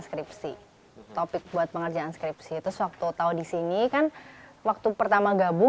skripsi topik buat mengerjakan skripsi itu sewaktu tahu disini kan waktu pertama gabung